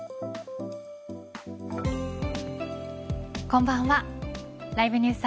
こんばんは。